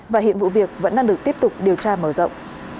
và hiện vụ việc vẫn đang được tiếp tục điều tra mở rộng